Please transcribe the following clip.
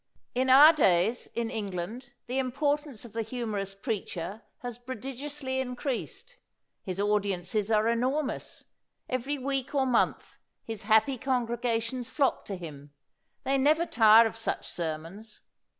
In our days, in England, the importance of the humorous preacher has prodigiously in creased ; his audiences are enormous ; every week or month his happy congregations flock to him; they never tire of such sermons.